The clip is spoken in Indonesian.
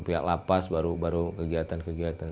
pihak lapas baru kegiatan kegiatan